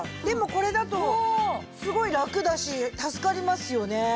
でもこれだとすごいラクだし助かりますよね。